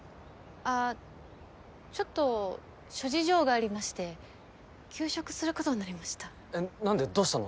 あちょっと諸事情がありまして休職することになりました。